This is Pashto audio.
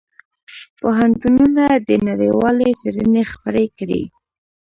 پوهنتونونه دي نړیوالې څېړنې خپرې کړي.